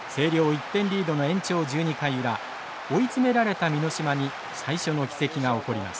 １点リードの延長１２回裏追い詰められた箕島に最初の奇跡が起こります。